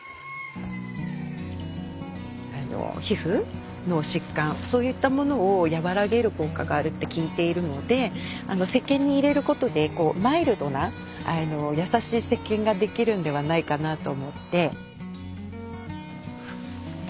皮膚の疾患そういったものを和らげる効果があると聞いているのでせっけんに入れることでマイルドな優しいせっけんが出来るんではないかなと思って。